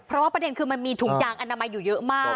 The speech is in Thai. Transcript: เพราะว่าประเด็นคือมันมีถุงยางอนามัยอยู่เยอะมาก